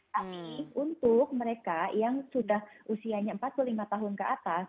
tapi untuk mereka yang sudah usianya empat puluh lima tahun ke atas